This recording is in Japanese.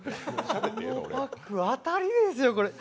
このパック当たりですよ。